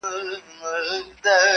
تش په نام اسلام اباده سې برباده,